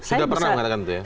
sudah pernah mengatakan itu ya